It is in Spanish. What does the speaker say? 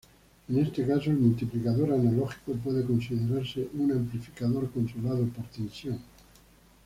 En este caso el multiplicador analógico puede considerarse un amplificador controlado por tensión.